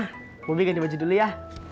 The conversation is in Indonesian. gua pilih ganti baju dulu ya